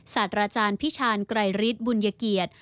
สัตว์ราชาญพิชาญไกรฤทธิ์บุญเกียจ